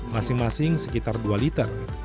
masing masing sekitar dua liter